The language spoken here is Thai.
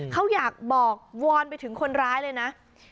เขาอยากบอกวอนไปถึงคนร้ายเลยนะ